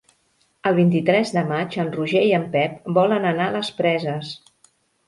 El vint-i-tres de maig en Roger i en Pep volen anar a les Preses.